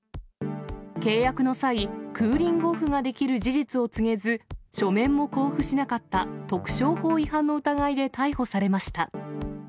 契約の際、クーリングオフができる事実を告げず、書面も交付しなかった特商法違反の疑いで逮捕されました。